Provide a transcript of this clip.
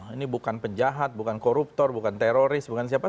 ini bukan penjahat bukan koruptor bukan teroris bukan siapa